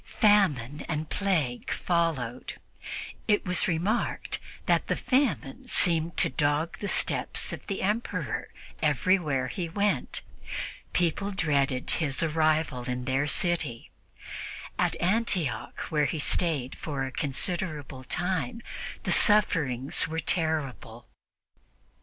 Famine and plague followed, and it was remarked that the famine seemed to dog the steps of the Emperor wherever he went. People dreaded his arrival in their city; at Antioch, where he stayed for a considerable time, the sufferings were terrible.